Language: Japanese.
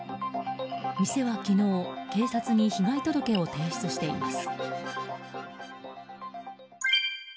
店は昨日、警察に被害届を提出しています。